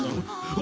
あ。